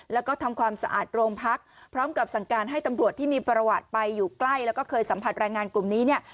แล้วก็ทำความสะอาดโรงพักพร้อมกับสั่งการให้ตำรวจที่มีประวัติไปอยู่ใกล้แล้วก็เคยสัมผัสแรงงานกลุ่มนี้เนี่ย